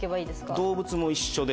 動物も一緒で。